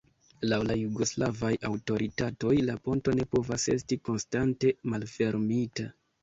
Laŭ la jugoslavaj aŭtoritatoj la ponto ne povas esti konstante malfermita.